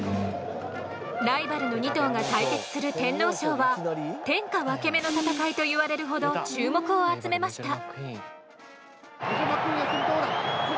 ライバルの２頭が対決する天皇賞は天下分け目の戦いと言われるほど注目を集めました。